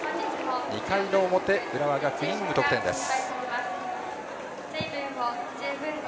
２回の表、浦和学院、無得点です。